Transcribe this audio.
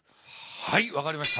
はい分かりました。